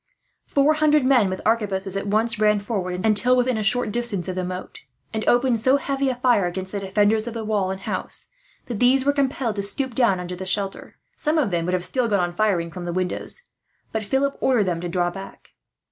Four hundred men with arquebuses at once ran forward, until within a short distance of the moat; and opened so heavy a fire, against the defenders of the wall and house, that these were compelled to stoop down under shelter. Some of them would have still gone on firing from the windows, but Philip ordered them to draw back.